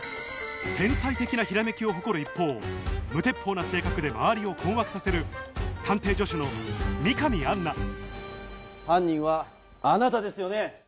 天才的なひらめきを誇る一方無鉄砲な性格で周りを困惑させる犯人はあなたですよね？